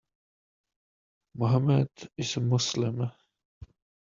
Mohammed is a Muslim.